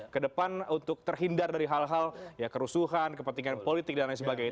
kedepan untuk terhindar dari hal hal kerusuhan kepentingan politik dan lain sebagainya